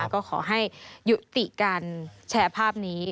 ก็ขอให้ยุติการแชร์ภาพนี้